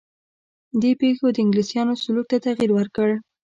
دې پېښو د انګلیسیانو سلوک ته تغییر ورکړ.